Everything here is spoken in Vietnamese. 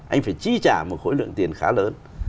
anh phải chi trả một khối lượng tiền khá lớn